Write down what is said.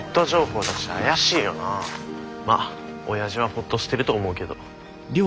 まあ親父はホッとしてると思うけど。